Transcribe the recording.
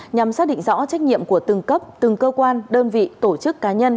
nhằm xác định rõ trách nhiệm của từng cấp từng cơ quan đơn vị tổ chức cá nhân